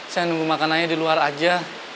saya nunggu makanannya di luar aja